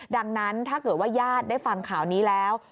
ดังนั้นถ้าเกิดว่าญาติได้ฟังข่าวนี้แล้ว